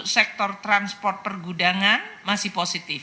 sektor transport pergudangan masih positif